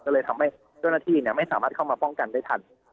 ก็เลยทำให้เจ้าหน้าที่ไม่สามารถเข้ามาป้องกันได้ทัน